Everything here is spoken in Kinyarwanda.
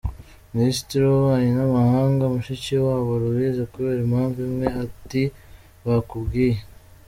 Minisitiri wUbubanyi nAmahanga, Mushikiwabo Louise kubera impamvu imwe ati Bakubwiye.